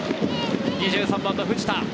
２３番・藤田。